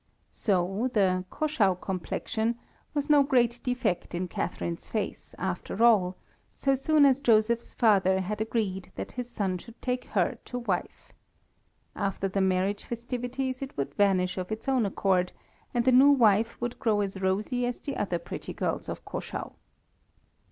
So the "Caschau complexion" was no great defect in Catharine's face, after all, so soon as Joseph's father had agreed that his son should take her to wife. After the marriage festivities it would vanish of its own accord, and the new wife would grow as rosy as the other pretty girls of Caschau.